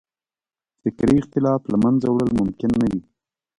فکري اختلافات له منځه وړل ممکن نه وي.